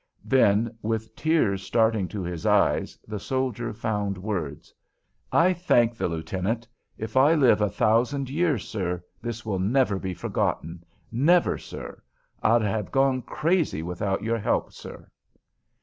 Then, with tears starting to his eyes, the soldier found words: "I thank the lieutenant. If I live a thousand years, sir, this will never be forgotten, never, sir! I'd have gone crazy without your help, sir."